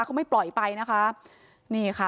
เขาไม่ปล่อยไปนะคะนี่ค่ะ